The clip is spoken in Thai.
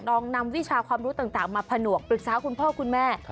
ลองนำวิชาความรู้ต่างมาผนวกปรึกษาคุณพ่อคุณแม่